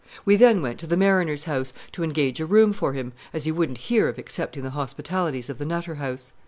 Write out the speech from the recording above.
We then went to the "Mariner's Home" to engage a room for him, as he wouldn't hear of accepting the hospitalities of the Nutter House.